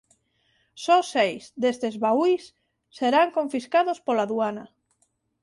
Só seis destes baúis serán confiscados pola aduana.